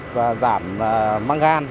và giảm măng gan